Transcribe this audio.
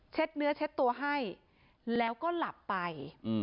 เนื้อเช็ดตัวให้แล้วก็หลับไป